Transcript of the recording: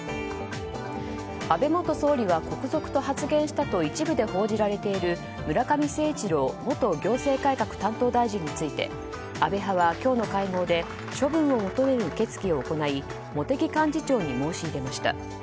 安倍元総理は国賊と発言したと一部で報じられている村上誠一郎元行政改革担当大臣について安倍派は今日の会合で処分を求める決議を行い茂木幹事長に申し入れました。